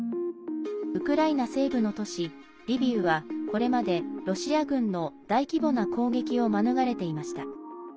ウクライナ西部の都市リビウはこれまでロシア軍の大規模な攻撃を免れていました。